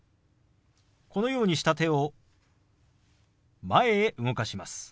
このようにした手を前へ動かします。